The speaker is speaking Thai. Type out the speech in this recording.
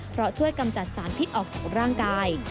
เพราะช่วยกำจัดสารพิษออกจากร่างกาย